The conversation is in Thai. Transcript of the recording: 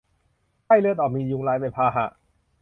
ไข้เลือดออก มียุงลายเป็นพาหะ